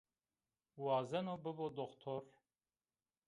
Wazeno bibo doktor